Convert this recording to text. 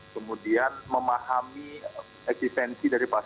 kemudian memahami eksistensi dari pasal dua puluh satu ini